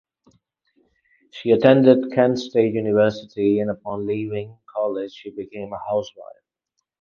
She attended Kent State University, and upon leaving college she became a housewife.